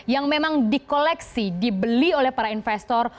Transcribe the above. yang memang di koleksi dibeli oleh para investor